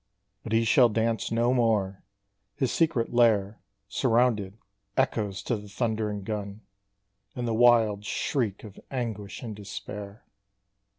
But he shall dance no more! His secret lair, Surrounded, echoes to the thundering gun, And the wild shriek of anguish and despair!